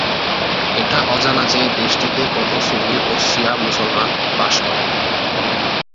এটা অজানা যে, দেশটিতে কতজন সুন্নি ও শিয়া মুসলমান বাস করে।